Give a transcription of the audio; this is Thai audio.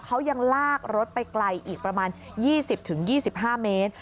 เขายังลากรถไปไกลอีกประมาณ๒๐๒๕เมตร